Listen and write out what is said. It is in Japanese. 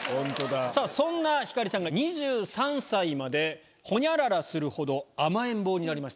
そんな星さんが２３歳までホニャララするほど甘えん坊になりました。